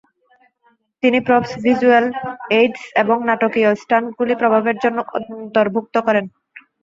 তিনি props, visual aids, এবং নাটকীয় স্টান্টগুলি প্রভাবের জন্য অন্তর্ভুক্ত করতেন।